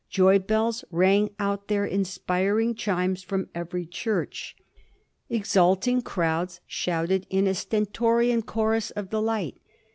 Joy bells rang out their inspiring chimes from every church. Exulting crowds shouted in a stentorian chorus of delight.